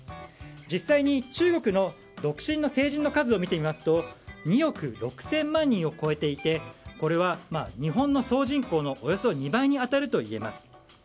実際に、中国の独身の成人の数を見てみますと２億６０００万人を超えていてこれは日本の総人口のおよそ２倍に当たるといえます。